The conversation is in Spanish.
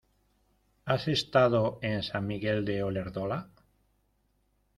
¿Has estado en San Miguel de Olerdola?